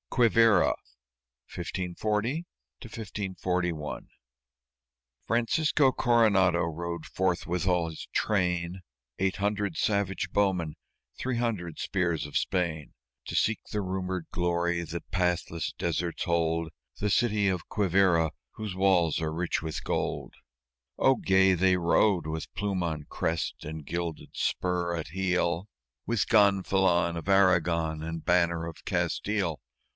QUIVÍRA [1540 1541] Francisco Coronado rode forth with all his train, Eight hundred savage bowmen, three hundred spears of Spain, To seek the rumored glory that pathless deserts hold The city of Quivíra whose walls are rich with gold. Oh, gay they rode with plume on crest and gilded spur at heel, With gonfalon of Aragon and banner of Castile!